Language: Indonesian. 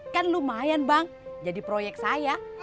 kan lumayan bang jadi proyek saya